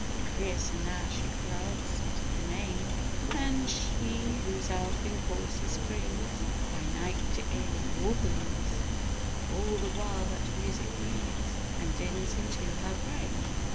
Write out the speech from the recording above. And fiercer now she grasped the mane Than she whose elfin courser springs By night to eerie warblings; While all the while that music rings, And dins into her brain.